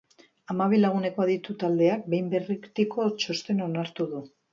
Hamabi laguneko aditu taldeak behin betiko txostena onartu du.